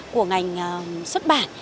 của ngành xuất bản